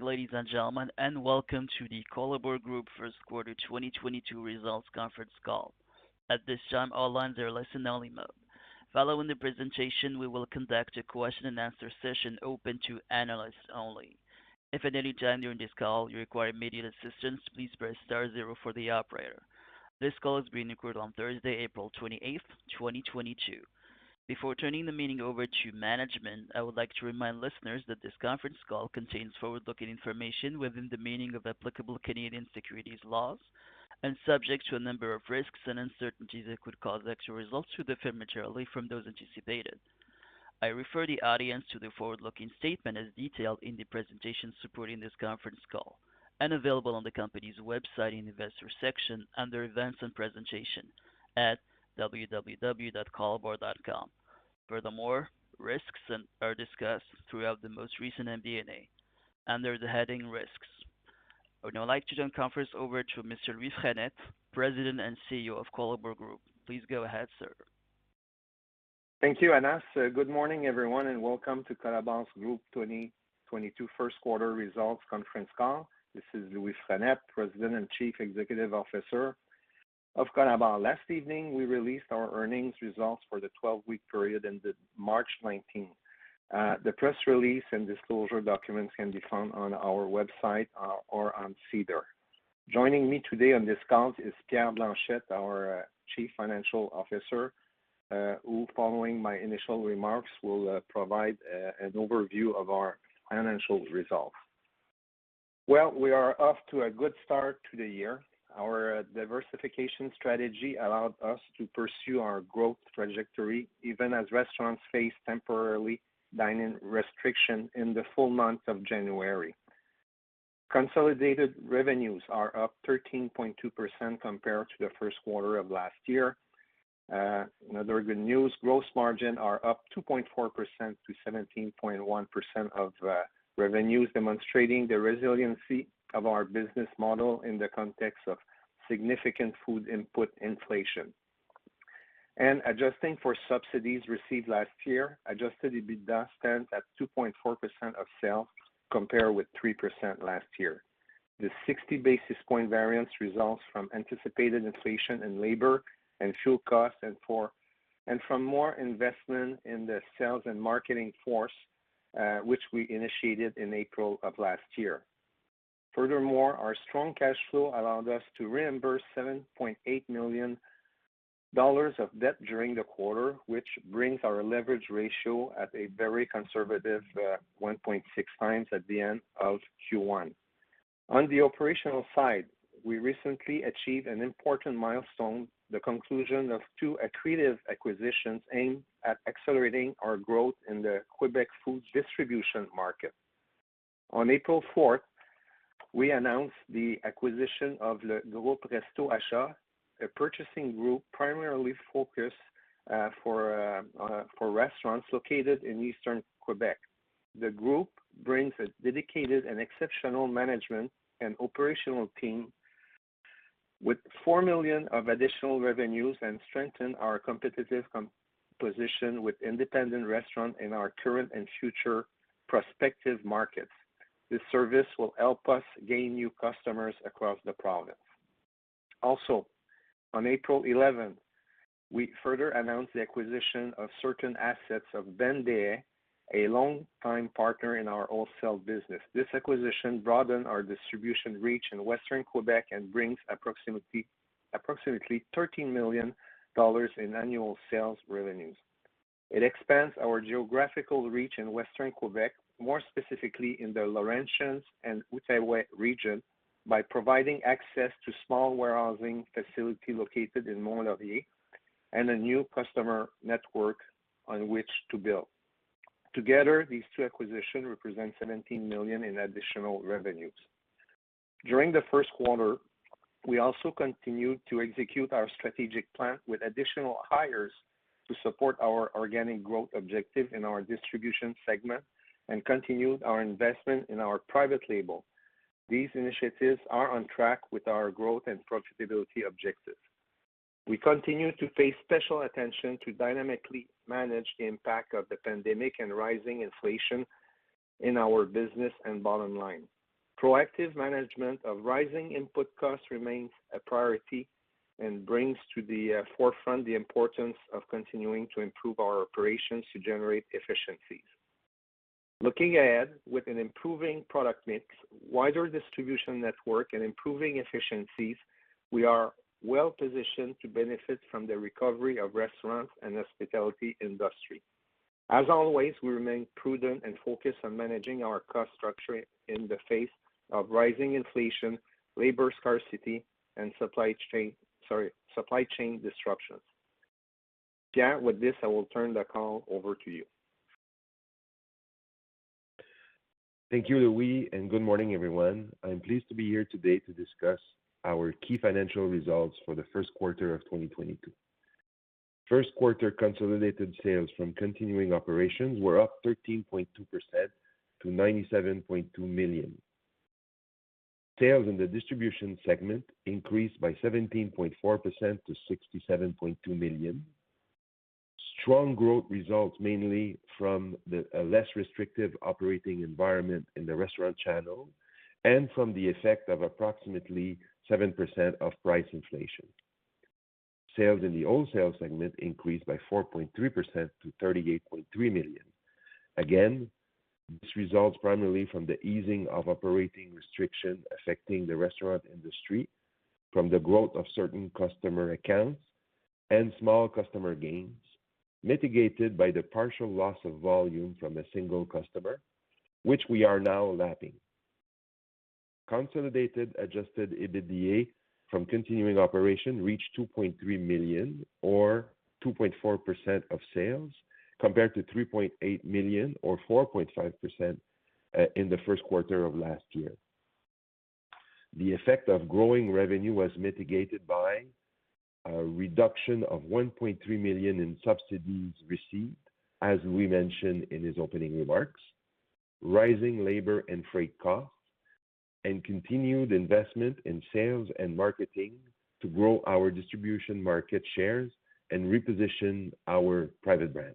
Good morning, ladies and gentlemen, and welcome to the Colabor Group Q1 2022 Results Conference Call. At this time, all lines are listen-only mode. Following the presentation, we will conduct a question-and-answer session open to analysts only. If at any time during this call you require immediate assistance, please press star zero for the operator. This call is being recorded on Thursday, April 28, 2022. Before turning the meeting over to management, I would like to remind listeners that this conference call contains forward-looking information within the meaning of applicable Canadian securities laws and subject to a number of risks and uncertainties that could cause actual results to differ materially from those anticipated. I refer the audience to the forward-looking statement as detailed in the presentation supporting this conference call and available on the company's website in investor section under Events and Presentation at www.colabor.com. Furthermore, risks are discussed throughout the most recent MD&A under the heading Risks. I would now like to turn the conference over to Mr. Louis Frenette, President and CEO of Colabor Group. Please go ahead, sir. Thank you, Anas. Good morning, everyone, and welcome to Colabor Group 2022 Q1 results conference call. This is Louis Frenette, President and Chief Executive Officer of Colabor. Last evening, we released our earnings results for the 12-week period ended March 19th. The press release and disclosure documents can be found on our website or on SEDAR. Joining me today on this call is Pierre Blanchette, our Chief Financial Officer, who following my initial remarks will provide an overview of our financial results. Well, we are off to a good start to the year. Our diversification strategy allowed us to pursue our growth trajectory even as restaurants face temporary dine-in restrictions in the full month of January. Consolidated revenues are up 13.2% compared to the Q1 of last year. Another good news, gross margins are up 2.4%-17.1% of revenues, demonstrating the resiliency of our business model in the context of significant food input inflation. Adjusting for subsidies received last year, Adjusted EBITDA stands at 2.4% of sales compared with 3% last year. The 60 basis point variance results from anticipated inflation in labor and fuel costs and from more investment in the sales and marketing force, which we initiated in April of last year. Furthermore, our strong cash flow allowed us to reimburse 7.8 million dollars of debt during the quarter, which brings our leverage ratio at a very conservative, 1.6x at the end of Q1. On the operational side, we recently achieved an important milestone, the conclusion of two accretive acquisitions aimed at accelerating our growth in the Quebec food distribution market. On April 4th, we announced the acquisition of Le Groupe Resto-Achats, a purchasing group primarily focused for restaurants located in eastern Quebec. The group brings a dedicated and exceptional management and operational team with 4 million of additional revenues and strengthen our competitive position with independent restaurant in our current and future prospective markets. This service will help us gain new customers across the province. Also, on April eleventh, we further announced the acquisition of certain assets of Ben Deshaies, a long-time partner in our wholesale business. This acquisition broaden our distribution reach in western Quebec and brings approximately 13 million dollars in annual sales revenues. It expands our geographical reach in western Quebec, more specifically in the Laurentians and Outaouais region by providing access to small warehousing facility located in Mont-Laurier and a new customer network on which to build. Together, these two acquisitions represent 17 million in additional revenues. During the Q1, we also continued to execute our strategic plan with additional hires to support our organic growth objective in our distribution segment and continued our investment in our private label. These initiatives are on track with our growth and profitability objectives. We continue to pay special attention to dynamically manage the impact of the pandemic and rising inflation in our business and bottom line. Proactive management of rising input costs remains a priority and brings to the forefront the importance of continuing to improve our operations to generate efficiencies. Looking ahead, with an improving product mix, wider distribution network, and improving efficiencies, we are well positioned to benefit from the recovery of restaurants and hospitality industry. As always, we remain prudent and focused on managing our cost structure in the face of rising inflation, labor scarcity and supply chain disruptions. Pierre, with this, I will turn the call over to you. Thank you, Louis, and good morning, everyone. I'm pleased to be here today to discuss our key financial results for the Q1 of 2022. Q1 consolidated sales from continuing operations were up 13.2% to 97.2 million. Sales in the distribution segment increased by 17.4% to 67.2 million. Strong growth results mainly from the less restrictive operating environment in the restaurant channel and from the effect of approximately 7% of price inflation. Sales in the wholesale segment increased by 4.3% to 38.3 million. Again, this results primarily from the easing of operating restriction affecting the restaurant industry from the growth of certain customer accounts and small customer gains, mitigated by the partial loss of volume from a single customer, which we are now lapping. Consolidated Adjusted EBITDA from continuing operations reached 2.3 million or 2.4% of sales, compared to 3.8 million or 4.5%, in the Q1 of last year. The effect of growing revenue was mitigated by a reduction of 1.3 million in subsidies received, as Louis mentioned in his opening remarks, rising labor and freight costs, and continued investment in sales and marketing to grow our distribution market shares and reposition our private brand.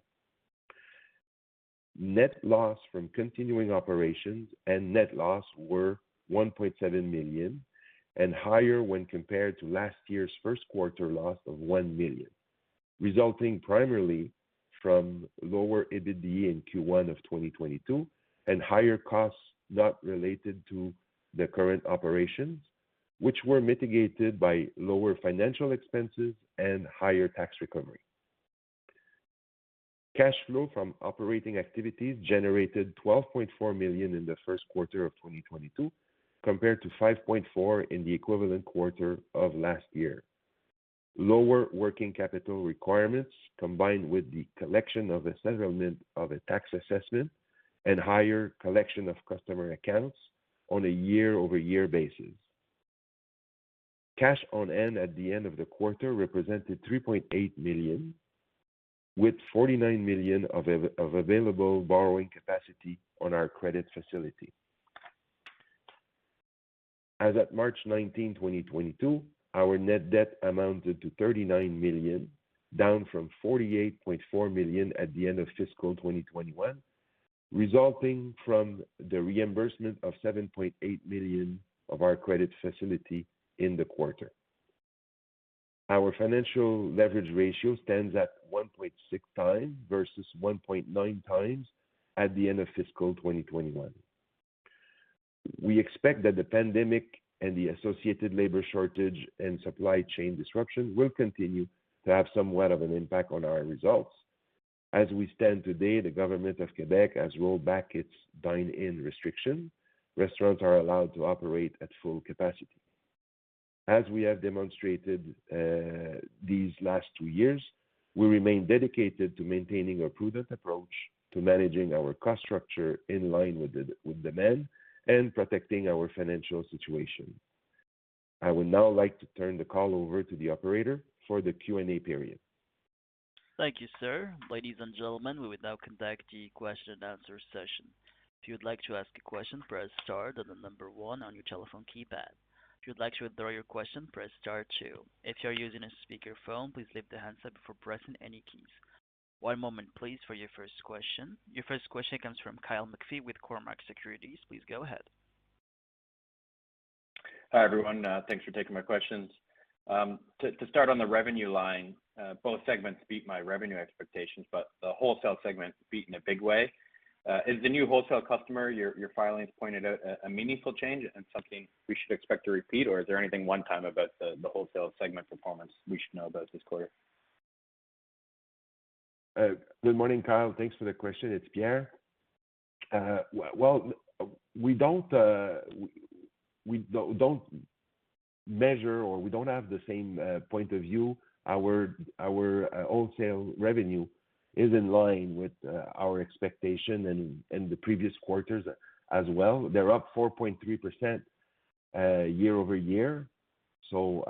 Net loss from continuing operations and net loss were 1.7 million, and higher when compared to last year's Q1 loss of 1 million, resulting primarily from lower EBITDA in Q1 of 2022 and higher costs not related to the current operations, which were mitigated by lower financial expenses and higher tax recovery. Cash flow from operating activities generated 12.4 million in the Q1 of 2022, compared to 5.4 million in the equivalent quarter of last year. Lower working capital requirements, combined with the collection of the settlement of a tax assessment and higher collection of customer accounts on a year-over-year basis. Cash on hand at the end of the quarter represented 3.8 million, with 49 million of available borrowing capacity on our credit facility. As at March 19, 2022, our net debt amounted to 39 million, down from 48.4 million at the end of fiscal 2021, resulting from the reimbursement of 7.8 million of our credit facility in the quarter. Our financial leverage ratio stands at 1.6x versus 1.9x at the end of fiscal 2021. We expect that the pandemic and the associated labor shortage and supply chain disruption will continue to have somewhat of an impact on our results. As we stand today, the government of Quebec has rolled back its dine-in restriction. Restaurants are allowed to operate at full capacity. As we have demonstrated these last two years, we remain dedicated to maintaining a prudent approach to managing our cost structure in line with demand and protecting our financial situation. I would now like to turn the call over to the operator for the Q&A period. Thank you, sir. Ladies and gentlemen, we will now conduct the question and answer session. If you would like to ask a question, press star, then the number one on your telephone keypad. If you would like to withdraw your question, press star two. If you are using a speakerphone, please lift the handset before pressing any keys. One moment please, for your first question. Your first question comes from Kyle McPhee with Cormark Securities. Please go ahead. Hi, everyone. Thanks for taking my questions. To start on the revenue line, both segments beat my revenue expectations, but the wholesale segment beat in a big way. Is the new wholesale customer, your filings pointed out a meaningful change and something we should expect to repeat, or is there anything one-time about the wholesale segment performance we should know about this quarter? Good morning, Kyle. Thanks for the question. It's Pierre. Well, we don't measure or we don't have the same point of view. Our wholesale revenue is in line with our expectation and in the previous quarters as well. They're up 4.3% year-over-year. To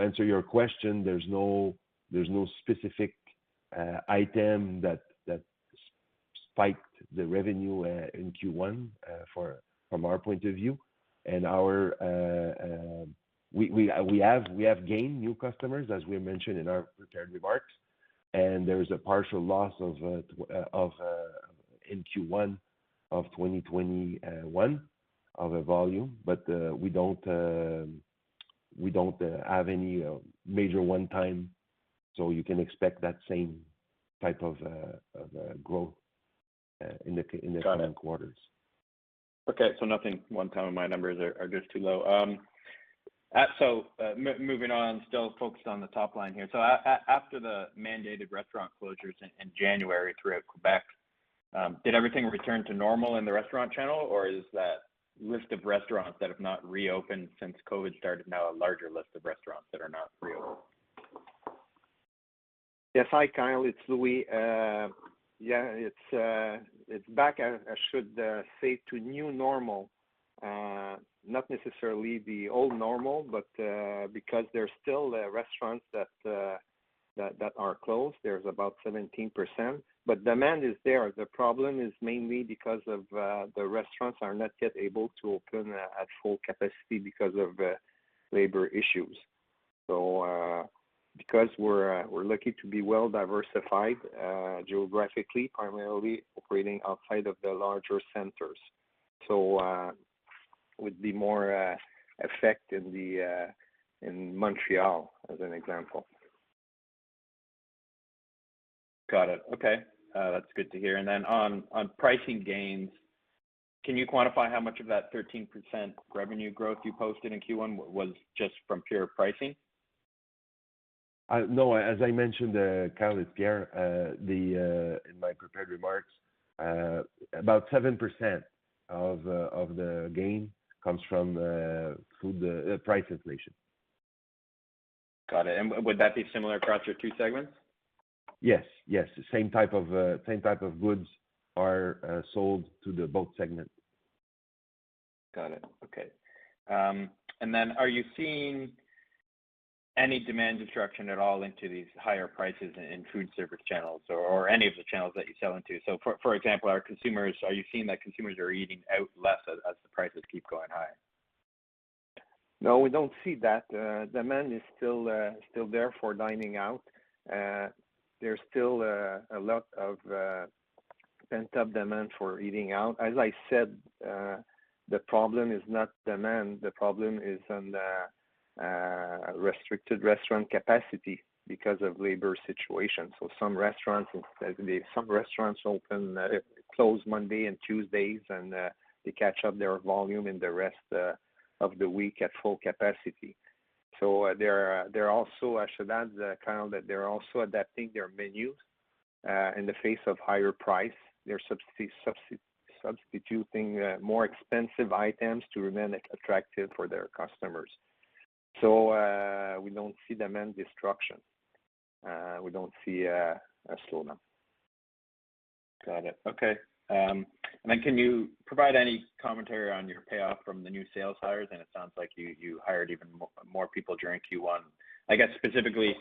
answer your question, there's no specific item that spiked the revenue in Q1 from our point of view. We have gained new customers, as we mentioned in our prepared remarks, and there is a partial loss of volume in Q1 of 2021. We don't have any major one-time. You can expect that same type of growth in the coming quarters. Got it. Okay. Nothing one time and my numbers are just too low. Moving on, still focused on the top line here. After the mandated restaurant closures in January throughout Quebec, did everything return to normal in the restaurant channel, or is that list of restaurants that have not reopened since COVID started now a larger list of restaurants that are not reopened? Yes. Hi, Kyle. It's Louis. Yeah, it's back. I should say to new normal. Not necessarily the old normal, but because there are still restaurants that are closed, there's about 17%. Demand is there. The problem is mainly because the restaurants are not yet able to open at full capacity because of labor issues. Because we're lucky to be well-diversified geographically, primarily operating outside of the larger centers, would be more affected in Montreal as an example. Got it. Okay. That's good to hear. Then on pricing gains, can you quantify how much of that 13% revenue growth you posted in Q1 was just from pure pricing? No. As I mentioned, Kyle, it's Pierre, in my prepared remarks, about 7% of the gain comes from food price inflation. Got it. Would that be similar across your two segments? Yes. The same type of goods are sold to both segments. Got it. Okay. Are you seeing any demand destruction at all into these higher prices in food service channels or any of the channels that you sell into? For example, are you seeing that consumers are eating out less as the prices keep going higher? No, we don't see that. Demand is still there for dining out. There's still a lot of pent-up demand for eating out. As I said, the problem is not demand, the problem is the restricted restaurant capacity because of labor situation. Some restaurants close Monday and Tuesdays, and they catch up their volume in the rest of the week at full capacity. I should add, Kyle, that they're also adapting their menus in the face of higher price. They're substituting more expensive items to remain attractive for their customers. We don't see demand destruction. We don't see a slowdown. Got it. Okay. Then can you provide any commentary on your payoff from the new sales hires? It sounds like you hired even more people during Q1. I guess, specifically,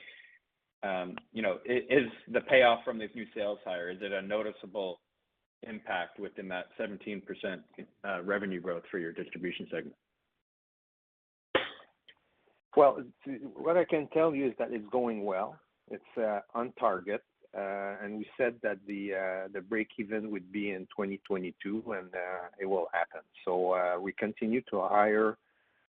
you know, is the payoff from these new sales hires, is it a noticeable impact within that 17% revenue growth for your distribution segment? Well, what I can tell you is that it's going well. It's on target. We said that the break even would be in 2022, and it will happen. We continue to hire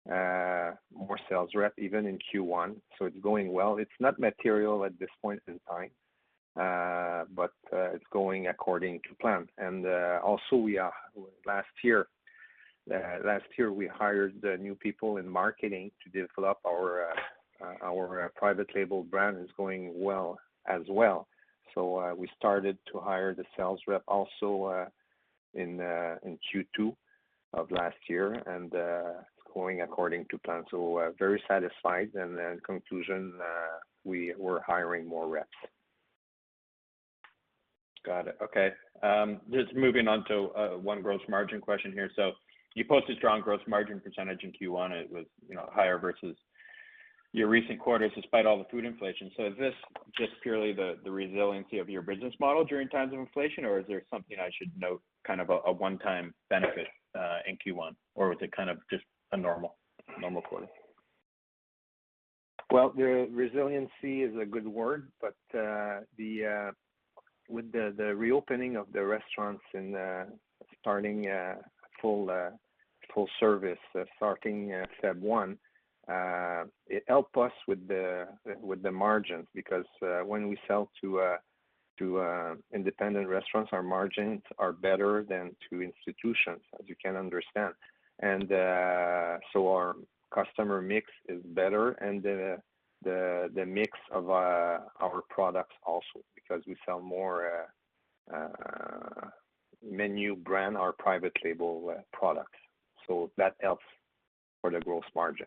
more sales rep even in Q1, so it's going well. It's not material at this point in time, but it's going according to plan. Also, last year, we hired the new people in marketing to develop our private label brand is going well as well. We started to hire the sales rep also in Q2 of last year, and it's going according to plan. Very satisfied. In conclusion, we were hiring more reps. Got it. Okay. Just moving on to one gross margin question here. You posted strong gross margin percentage in Q1. It was, you know, higher versus your recent quarters despite all the food inflation. Is this just purely the resiliency of your business model during times of inflation, or is there something I should note kind of a one-time benefit in Q1, or was it kind of just a normal quarter? Well, the resiliency is a good word, but with the reopening of the restaurants and starting full service February 1, it helped us with the margins because when we sell to independent restaurants, our margins are better than to institutions, as you can understand. Our customer mix is better and the mix of our products also because we sell more MENU brand, our private label products. That helps for the gross margin.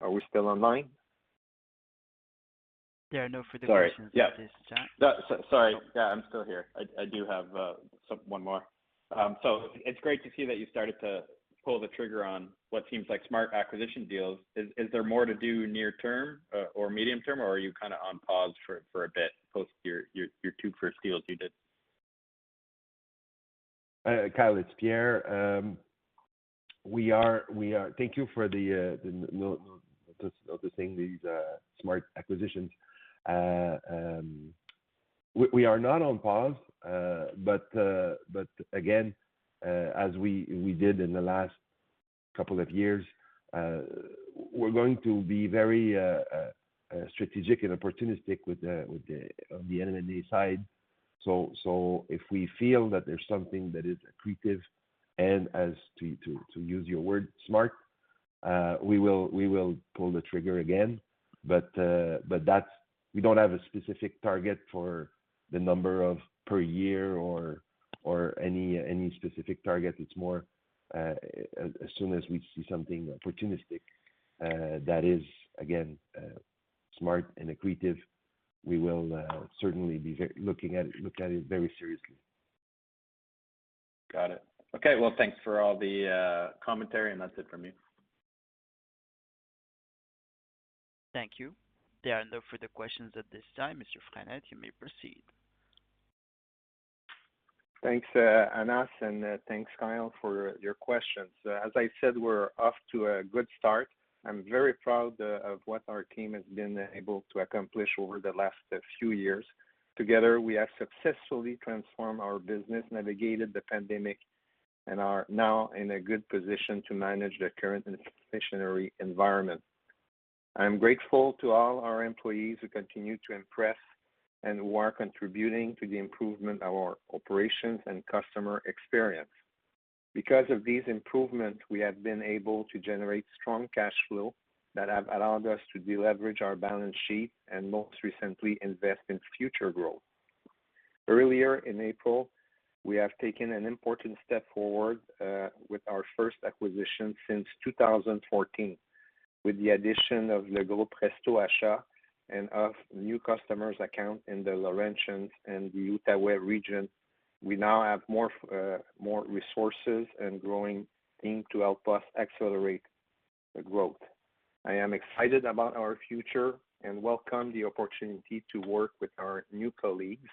Are we still online? There are no further questions at this time. Sorry. Yeah. I'm still here. I do have some one more. It's great to see that you started to pull the trigger on what seems like smart acquisition deals. Is there more to do near term or medium term, or are you kinda on pause for a bit post your two first deals you did? Kyle, it's Pierre. Thank you for noticing these smart acquisitions. We are not on pause. Again, as we did in the last couple of years, we're going to be very strategic and opportunistic on the M&A side. If we feel that there's something that is accretive and to use your word, smart, we will pull the trigger again. That's. We don't have a specific target for the number per year or any specific target. It's more as soon as we see something opportunistic that is again smart and accretive, we will certainly be looking at it very seriously. Got it. Okay. Well, thanks for all the commentary, and that's it from me. Thank you. There are no further questions at this time. Mr. Frenette, you may proceed. Thanks, Anas, and thanks Kyle for your questions. As I said, we're off to a good start. I'm very proud of what our team has been able to accomplish over the last few years. Together, we have successfully transformed our business, navigated the pandemic, and are now in a good position to manage the current inflationary environment. I'm grateful to all our employees who continue to impress and who are contributing to the improvement of our operations and customer experience. Because of these improvements, we have been able to generate strong cash flow that have allowed us to deleverage our balance sheet and most recently invest in future growth. Earlier in April, we have taken an important step forward with our first acquisition since 2014. With the addition of Le Groupe Resto-Achats and of new customer accounts in the Laurentians and the Outaouais region, we now have more resources and growing team to help us accelerate the growth. I am excited about our future and welcome the opportunity to work with our new colleagues.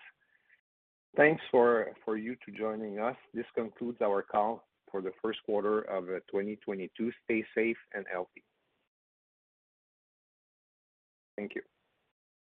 Thank you for joining us. This concludes our call for the Q1 of 2022. Stay safe and healthy. Thank you.